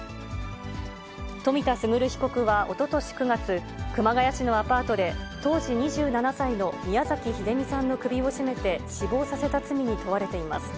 冨田賢被告はおととし９月、熊谷市のアパートで当時２７歳の宮崎英美さんの首を絞めて死亡させた罪に問われています。